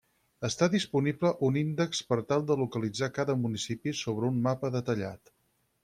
Està disponible un índex per tal de localitzar cada municipi sobre un mapa detallat.